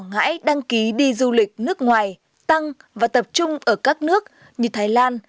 ngãi đăng ký đi du lịch nước ngoài tăng và tập trung ở các nước như thái lan